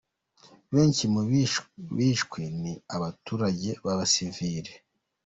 Benshi mu bishwe ni abaturage b'abasivile.